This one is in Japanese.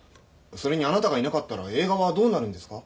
それにあなたがいなかったら映画はどうなるんですか？